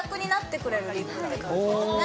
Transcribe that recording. って感じですね